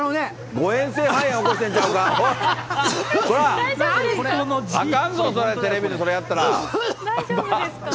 誤えん性肺炎起こしてんちゃうか？